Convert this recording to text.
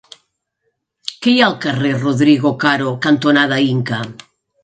Què hi ha al carrer Rodrigo Caro cantonada Inca?